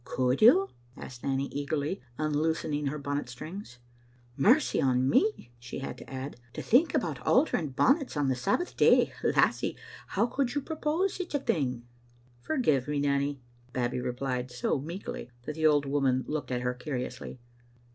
"Could you?" asked Nanny, eagerly, unloosening her bonnet strings. "Mercy on me!" she had to add; "to think about altering bonnets on the Sabbath day! Lassie, how could you propose sic a thing?" "Forgive me, Nanny," Babbie replied, so meekly that the old woman looked at her curiously.